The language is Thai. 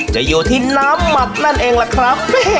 จะอยู่ที่น้ำหมักนั่นเองล่ะครับ